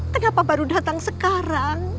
kenapa baru datang sekarang